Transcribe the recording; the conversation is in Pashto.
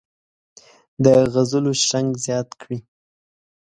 د غزلو شرنګ زیات کړي.